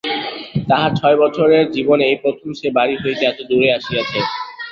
তাহার ছয় বৎসরের জীবনে এই প্রথম সে বাড়ি হইতে এতদূরে আসিয়াছে।